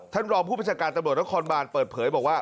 ท่านรองผู้พิจารณ์การตำรวจและคอนบานเปิดเผยบอกว่า